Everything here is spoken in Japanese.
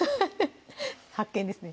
発見ですね